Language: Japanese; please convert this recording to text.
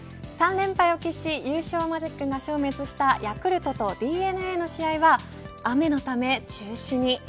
３連敗を喫し、優勝マジックが消滅したヤクルトとＤｅＮＡの試合は雨のため中止に。